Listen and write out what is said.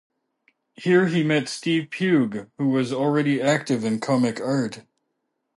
Here he met Steve Pugh who was already active in comic art.